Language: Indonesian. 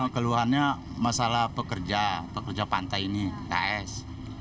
keluhannya masalah pekerja pekerja pantai ini ks